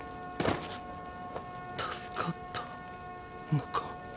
助かったのか？